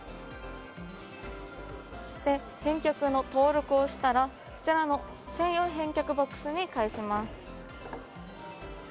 そして返却の登録をしたらこちらの専用返却ボックスに返します。